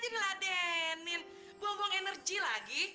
jadi aku bebas datang kesini